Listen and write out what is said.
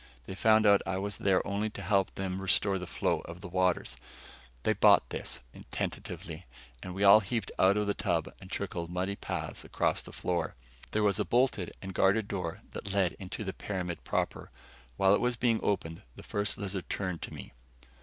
They found out I was there only to help them restore the flow of the waters. They bought this, tentatively, and we all heaved out of the tub and trickled muddy paths across the floor. There was a bolted and guarded door that led into the pyramid proper. While it was being opened, the First Lizard turned to me.